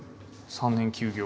３年休業？